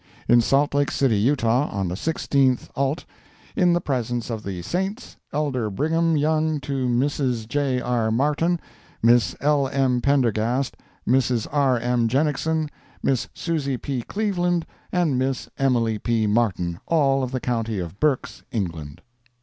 —In Salt Lake City, Utah, on the 16th ult., in the presence of the Saints, Elder Brigham Young to Mrs. J. R. Martin, Miss L. M. Pendergast, Mrs. R. M. Jenickson, Miss Susie P. Cleveland, and Miss Emily P. Martin, all of county of Berks, England.